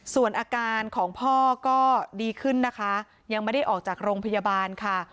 ส่วนอาการของพ่อก็ดีขึ้นนะคะยังไม่ได้ออกจากโรงพยาบาลค่ะ